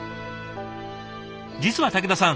実は武田さん